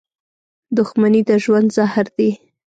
• دښمني د ژوند زهر دي.